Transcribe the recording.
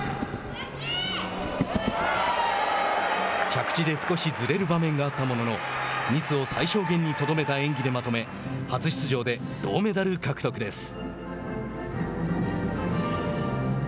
着地で少しずれる場面があったもののミスを最小限にとどめた演技でまとめ初出場で銅メダル獲得です。